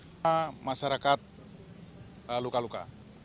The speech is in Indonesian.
kemudian masyarakat luka luka